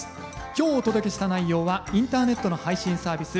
今日お届けした内容はインターネットの配信サービス